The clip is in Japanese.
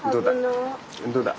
どうだ？